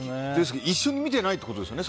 一緒に見てないってことですよね。